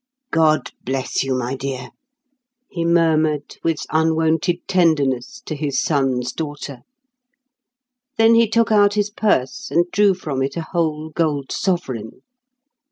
"God bless you, my dear!" he murmured, with unwonted tenderness to his son's daughter. Then he took out his purse, and drew from it a whole gold sovereign.